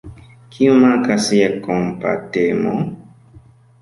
Kiu mankas je kompatemo?